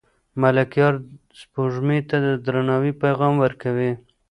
ملکیار سپوږمۍ ته د درناوي پیغام ورکوي.